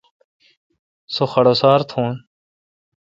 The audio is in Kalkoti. سو خڈوسار تھون۔